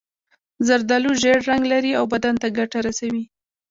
زردالو ژېړ رنګ لري او بدن ته ګټه رسوي.